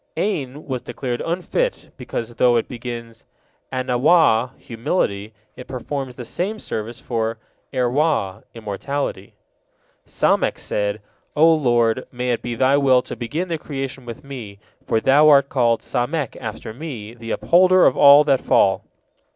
'Ain was declared unfit, because, though it begins 'Anawah, humility, it performs the same service for 'Erwah, immorality. Samek said: "O Lord, may it be Thy will to begin the creation with me, for Thou art called Samek, after me, the Upholder of all that fall."